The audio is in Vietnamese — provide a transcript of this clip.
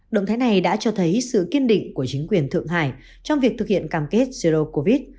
động thái này đã cho thấy sự kiên định của chính quyền thượng hải trong việc thực hiện cam kết jero covid